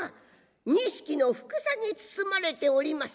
錦のふくさに包まれております